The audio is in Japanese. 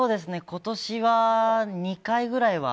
今年は２回ぐらいは。